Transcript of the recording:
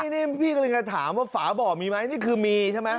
นี่พี่กำลังจะถามว่าฝาบ่อมีไหมนี่คือมีใช่ไหม